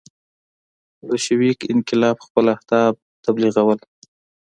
بلشویک انقلاب خپل اهداف تبلیغول.